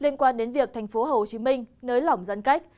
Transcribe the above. liên quan đến việc thành phố hồ chí minh nới lỏng giãn cách